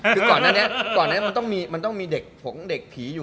คือก่อนนั้นมันต้องมีเด็กผงเด็กผีอยู่